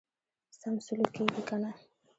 سم سلوک کیږي کنه.